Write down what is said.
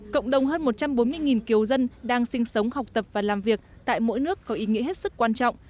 cộng đồng hơn một trăm bốn mươi kiều dân đang sinh sống học tập và làm việc tại mỗi nước có ý nghĩa hết sức quan trọng